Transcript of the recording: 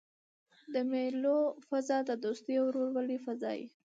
د مېلو فضا د دوستۍ او ورورولۍ فضا يي.